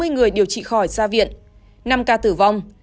bốn trăm chín mươi người điều trị khỏi gia viện năm ca tử vong